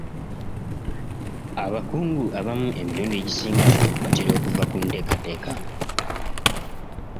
Abakungu abamu emirundi egisinga batera okuva ku nteekateeka.